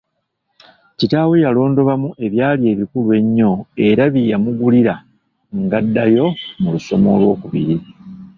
Kitaawe yalondobamu ebyali ebikulu ennyo era bye yamugulira ng’addayo mu lusoma olw’okubiri.